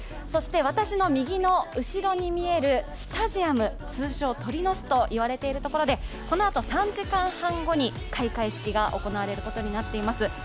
そして私の右の後ろに見えるスタジアム、通称・鳥の巣といわれているところでこのあと３時間半後に開会式が行われることになっています。